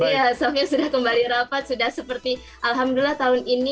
iya sofian sudah kembali rapat sudah seperti alhamdulillah tahun ini